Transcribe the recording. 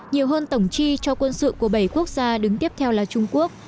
nhiều hơn tổng chi cho quân sự của bảy quốc gia đứng tiếp theo là trung quốc